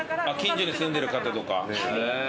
近所に住んでる方とか。